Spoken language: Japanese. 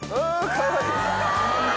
かわいい！